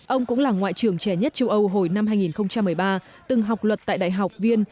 ông cũng là ngoại trưởng trẻ nhất châu âu hồi năm hai nghìn một mươi ba từng học luật tại đại học viên